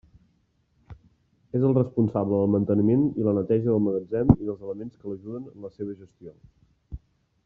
És el responsable del manteniment i la neteja del magatzem i dels elements que l'ajuden en la seva gestió.